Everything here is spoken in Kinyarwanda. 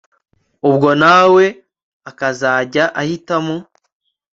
ubwo nawe akazajya ahitamo